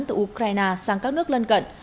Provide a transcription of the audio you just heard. từ ukraine sang các nước lân cận